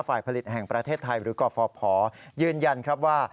ฝ่ายผลิตแห่งประเทศไทยหรือกฟภยืนยันครับว่า